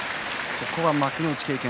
ここは幕内経験